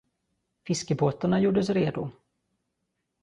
Fiskebåtarna gjordes redo.